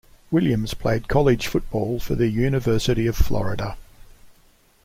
Williams played college football for the University of Florida.